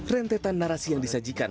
rentetan narasi yang disajikan